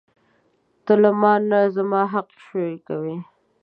ته له مانه زما حق شوکوې.